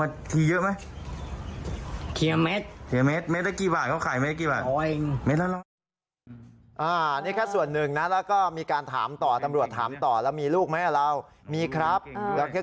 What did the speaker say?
เดี๋ยวก่อนที่คุณครับเนี่ย